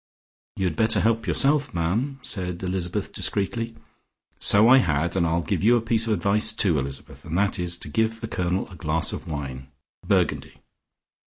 "You'd better help yourself, ma'am," said Elizabeth discreetly. "So I had, and I'll give you a piece of advice too, Elizabeth, and that is to give the Colonel a glass of wine. Burgundy!